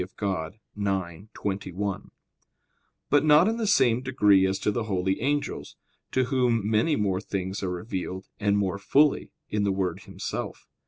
Dei ix, 21); but not in the same degree as to the holy angels, to whom many more things are revealed, and more fully, in the Word Himself.